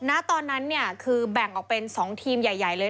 ณตอนนั้นเนี่ยคือแบ่งออกเป็น๒ทีมใหญ่เลย